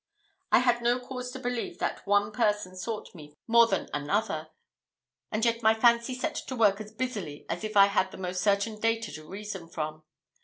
I had no cause to believe that one person sought me more than another, and yet my fancy set to work as busily as if she had the most certain data to reason from.